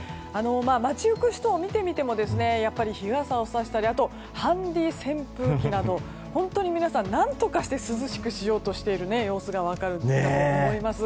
待ち行く人を見てみてもやっぱり日傘をさしたりあとはハンディ―扇風機など本当に皆さん何とかして涼しくしようとする様子が分かります。